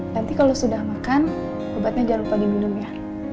nanti kalau sudah makan obatnya jangan lupa diminum ya